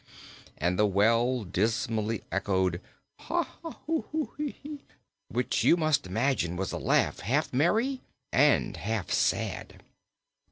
And the well dismally echoed: "Ha, hoo, hee!" which you must imagine was a laugh half merry and half sad.